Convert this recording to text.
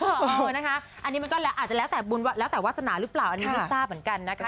อันนี้มันก็อาจจะแล้วแต่วาสนาหรือเปล่าอันนี้ลิปซ่าเหมือนกันนะคะ